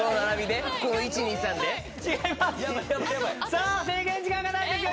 さあ制限時間がないですよ。